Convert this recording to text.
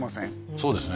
そうですね